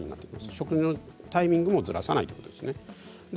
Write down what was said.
食のタイミングをずらさないということです。